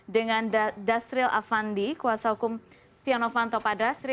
dengan dasril afandi kuasa hukum tionghovanto pak dasril